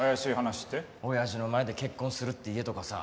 親父の前で結婚するって言えとかさ。